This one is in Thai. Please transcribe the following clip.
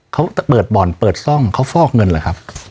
เขาเปิดบ่อนเปิดซ่องเขาฟอกเงินเหรอครับ